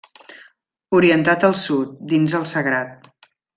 Orientat al sud, dins el sagrat.